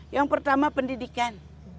yang pertama pendidikan